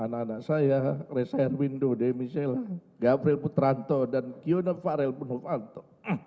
anak anak saya reserwindo demisela gabriel putranto dan kioner parel punggupanto